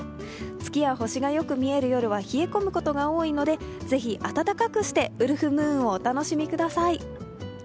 月や星がよく見える夜は冷え込むことが多いので、ぜひ暖かくしてウルフムーンをお楽しみください。